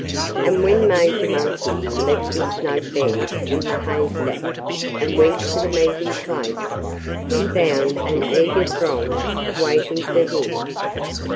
And when Major Monkey left his snug bed in the haystack and went to the meeting place he found an eager throng waiting for him.